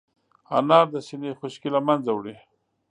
انار د سينې خشکي له منځه وړي.